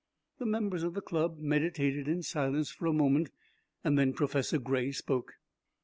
The members of the Club meditated in silence for a moment, and then Professor Gray spoke.